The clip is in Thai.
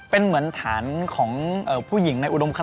เป็นเหมือนฐานของผู้หญิงในอุดมการ